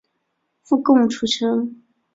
附贡出身。